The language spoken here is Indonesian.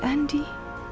bukan dari andi